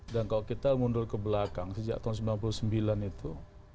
dan kalau kita mundur ke belakang sejak tahun seribu sembilan ratus sembilan puluh sembilan itu